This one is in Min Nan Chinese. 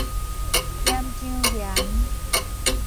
岩漿岩